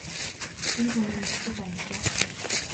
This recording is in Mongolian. Энэ түүнийг мэдэхгүй байна гэж үү.